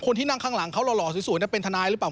คนที่นั่งข้างหลังเขาหล่อสวยเป็นทนายหรือเปล่า